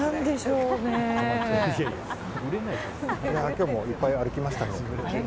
今日もいっぱい歩きましたね。